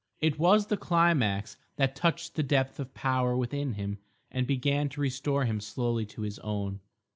It was the climax that touched the depth of power within him and began to restore him slowly to his own.